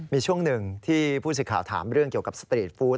มีช่วงหนึ่งที่ผู้สิทธิ์ข่าวถามเรื่องเกี่ยวกับสตรีทฟู้ด